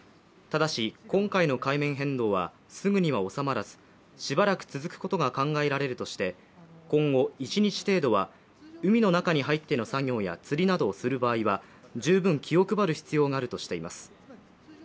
ただし、今回の海面変動はすぐには収まらず、しばらく続くことが考えられるとして今後一日程度は海の中に入っての作業や釣りなどをする場合は、十分気を配る必要があるとしています。